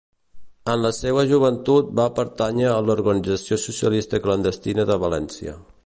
En la seua joventut va pertànyer a l'organització socialista clandestina de València.